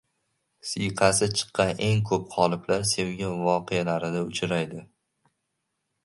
Siyqasi chiqqan eng ko‘p qoliplar sevgi voqealarida uchraydi